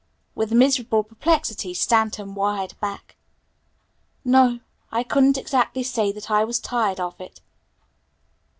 With miserable perplexity Stanton wired back. "No, I couldn't exactly say that I was tired of it."